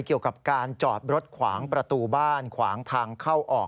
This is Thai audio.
เกี่ยวกับการจอดรถขวางประตูบ้านขวางทางเข้าออก